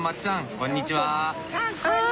こんにちは。